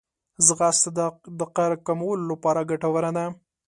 ځغاسته د قهر کمولو لپاره ګټوره ده